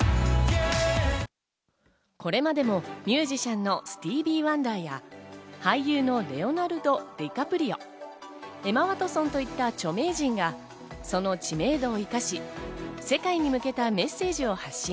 これまでもミュージシャンのスティーヴィー・ワンダーや、俳優のレオナルド・ディカプリオ、エマ・ワトソンといった著名人がその知名度を生かし、世界に向けたメッセージを発信。